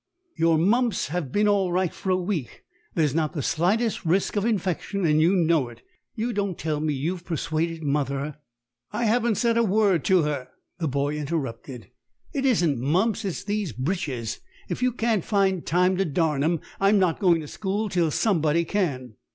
"Your mumps have been all right for a week. There's not the slightest risk of infection, and you know it. You don't tell me you've persuaded mother " "I haven't said a word to her," the boy interrupted. "It isn't mumps; it's these breeches. If you can't find time to darn 'em, I'm not going to school till somebody can."